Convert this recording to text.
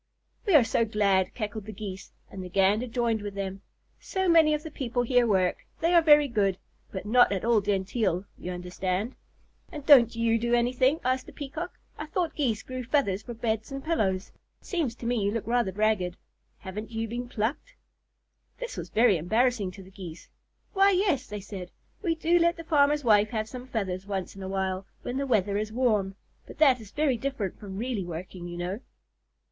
"We are so glad," cackled the Geese, and the Gander joined with them. "So many of the people here work. They are very good, but not at all genteel, you understand." "And don't you do anything?" asked the Peacock. "I thought Geese grew feathers for beds and pillows. It seems to me you look rather ragged. Haven't you been plucked?" This was very embarrassing to the Geese. "Why, yes," they said, "we do let the farmer's wife have some feathers once in a while, when the weather is warm, but that is very different from really working, you know."